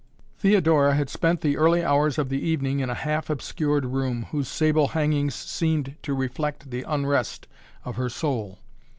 Theodora had spent the early hours of the evening in a half obscured room, whose sable hangings seemed to reflect the unrest of her soul.